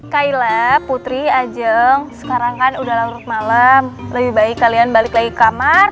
kaila putri ajeng sekarang kan udah larut malam lebih baik kalian balik lagi ke kamar